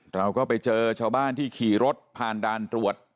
เราก็ไปเจอชาวบ้านที่ขี่รถผ่านด่านตรวจ